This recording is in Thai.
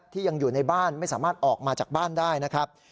ที่ยังอยู่ในบ้านไม่สามารถออกมาจากบ้านได้นะครับ